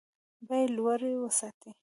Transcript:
بیې لوړې وساتي.